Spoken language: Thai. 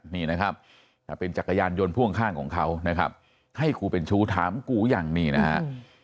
นี่นะครับแต่เป็นจักรยานยนต์พ่วงข้างของเขานะครับให้กูเป็นชู้ถามกูยังนี่นะฮะ